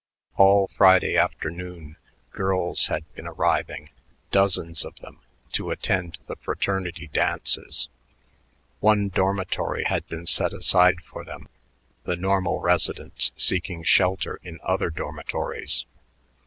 All Friday afternoon girls had been arriving, dozens of them, to attend the fraternity dances. One dormitory had been set aside for them, the normal residents seeking shelter in other dormitories.